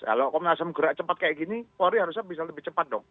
kalau komnas ham gerak cepat kayak gini polri harusnya bisa lebih cepat dong